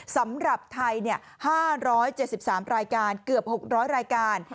สำหรับไทย๕๗๓รายการเกือบ๖๐๐รายการ